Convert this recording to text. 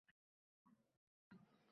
shaxsga doir ma’lumotlarga ishlov berish;